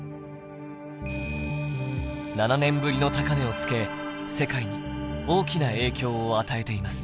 ７年ぶりの高値をつけ世界に大きな影響を与えています。